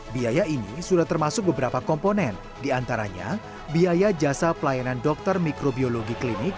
biaya ini sudah termasuk beberapa komponen diantaranya biaya jasa pelayanan dokter mikrobiologi klinik